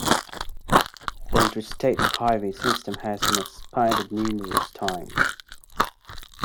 The Interstate Highway system has been expanded numerous times.